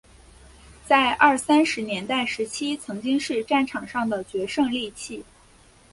在二三十年代时期曾经是战场上的决胜利器。